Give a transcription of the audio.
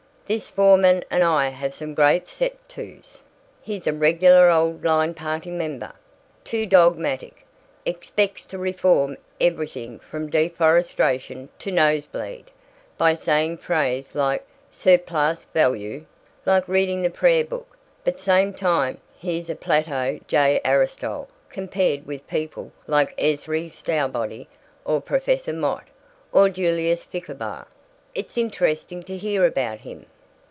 "This foreman and I have some great set to's. He's a regular old line party member. Too dogmatic. Expects to reform everything from deforestration to nosebleed by saying phrases like 'surplus value.' Like reading the prayer book. But same time, he's a Plato J. Aristotle compared with people like Ezry Stowbody or Professor Mott or Julius Flickerbaugh." "It's interesting to hear about him."